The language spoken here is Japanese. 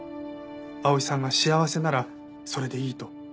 碧さんが幸せならそれでいいと。